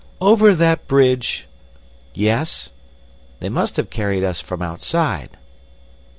"Over that bridge?" "Yes. They must have carried us from outside."